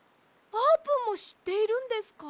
あーぷんもしっているんですか！